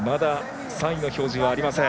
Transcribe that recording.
まだ３位の表示ありません。